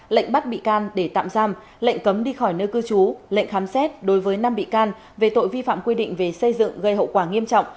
lệnh bắt bị can để tạm giam lệnh cấm đi khỏi nơi cư trú lệnh khám xét đối với năm bị can về tội vi phạm quy định về xây dựng gây hậu quả nghiêm trọng